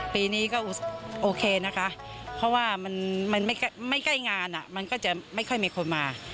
ปีนี้ก็โอเคนะคะเพราะว่ามันไม่ใกล้งานมันก็จะไม่ค่อยมีคนมา